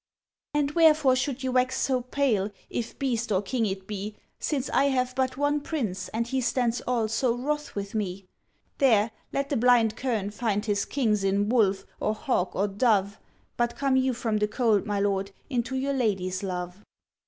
FALSE DEARBHORGIL 47 ' And wherefore should you wax so pale, if beast or king it be, Since I have but one prince, and he stands all so wroth with me? There, let the blind kern find his kings in wolf, or hawk, or dove. But come you from the cold, my lord, into your lady's love.'